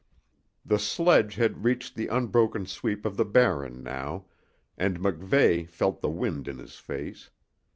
The sledge had reached the unbroken sweep of the Barren now, and MacVeigh felt the wind in his face.